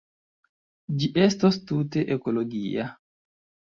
Ĝi estos tute ekologia.